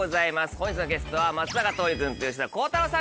本日のゲストは松坂桃李君と吉田鋼太郎さん